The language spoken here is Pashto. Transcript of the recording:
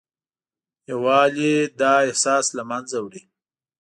یووالی دا احساس له منځه وړي.